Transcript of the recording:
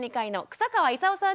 草川さん